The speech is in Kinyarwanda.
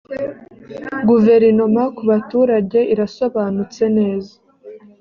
guverinoma ku baturage irasobanutse neza .